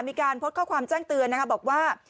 มีการโพสต์ข้อความแจ้งเตือนนะคะบอกว่า